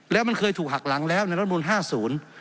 แล้วมันเคยถูกหักหลังแล้วในรัฐมูล๕๐